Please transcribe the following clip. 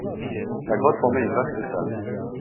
La grotte formait une vaste salle.